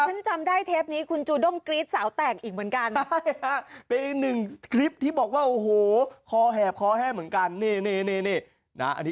ฉันจำได้เทปนี้คุณจูด้งกรี๊ดสาวแตกอีกเหมือนกัน